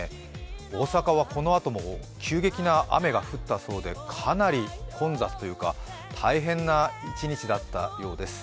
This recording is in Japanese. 大阪はこのあとも急激な雨が降ったそうでかなり混雑というか、大変な一日だったようです。